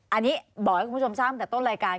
อันนี้บอกให้คุณผู้ชมทราบตั้งแต่ต้นรายการ